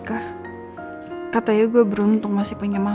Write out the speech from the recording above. apa saya bujuk aja